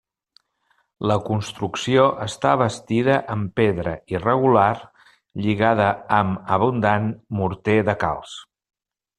La construcció està bastida amb pedra irregular lligada amb abundant morter de calç.